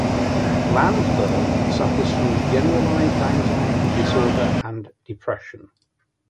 Landsberg suffers from generalized anxiety disorder and depression.